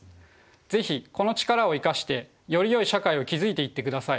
是非この力を生かしてよりよい社会を築いていってください。